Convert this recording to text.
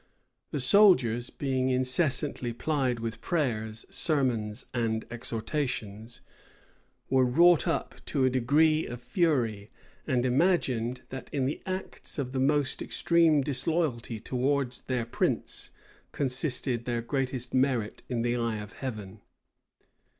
The soldiers, being incessantly plied with prayers, sermons and exhortations, were wrought up to a degree of fury, and imagined, that in the acts of the most extreme disloyalty towards their prince consisted their greatest merit in the eye of Heaven.